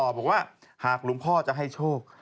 บอกว่าหากหลวงพ่อจะให้โชค